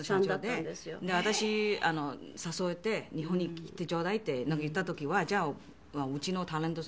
私誘って「日本に来てちょうだい」って言った時は「じゃあうちのタレントさんは」。